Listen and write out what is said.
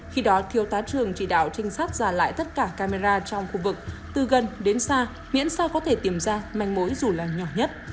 khi đó thiếu tá trường chỉ đạo trinh sát giả lại tất cả camera trong khu vực từ gần đến xa miễn sao có thể tìm ra manh mối dù là nhỏ nhất